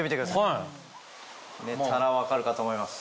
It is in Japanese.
寝たら分かるかと思います。